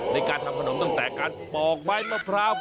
ในการทำขนมตั้งแต่การปอกไม้มะพร้าว